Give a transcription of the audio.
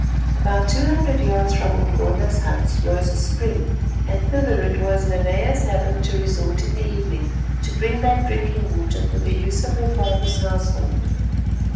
About two hundred yards from Umgona's huts rose a spring, and thither it was Nanea's habit to resort in the evening to bring back drinking water for the use of her father's household.